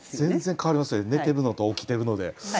全然変わりますね寝てるのと起きてるので。